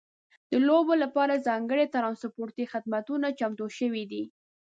د لوبو لپاره ځانګړي ترانسپورتي خدمتونه چمتو شوي دي.